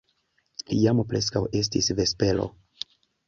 Jam preskaŭ estis vespero.